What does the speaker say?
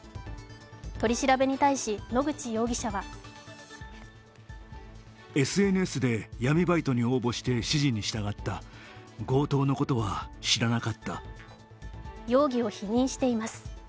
取り調べに対し野口容疑者は容疑を否認しています。